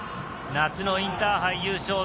夏のインターハイ優勝。